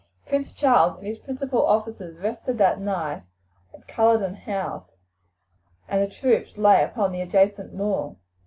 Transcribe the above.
Prince Charles and his principal officers rested that night at Culloden House and the troops lay upon the adjacent moor.